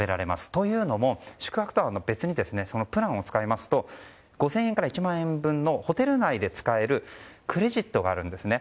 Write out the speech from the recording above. というのも、宿泊とは別にプランを使いますと５０００円から１万円分のホテル内で使えるクレジットがあるんですね。